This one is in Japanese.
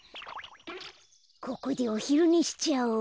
ここでおひるねしちゃおう。